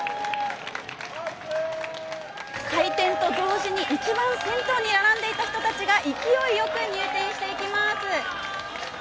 開店と同時に一番先頭に並んでいた人たちが勢いよく入店していきます。